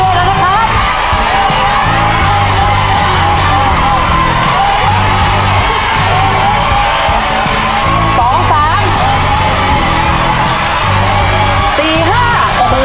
เวลาเดินไปเรื่อยแล้วนะครับ